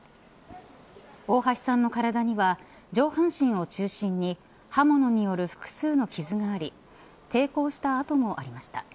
大橋さんの体には上半身を中心に刃物による複数の傷があり抵抗した跡もありました。